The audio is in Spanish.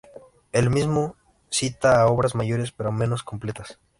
Él mismo cita a obras mayores, pero menos completas.